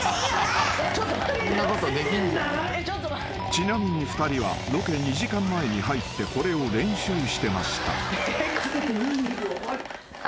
［ちなみに２人はロケ２時間前に入ってこれを練習してました］